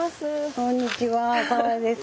こんにちは澤井です。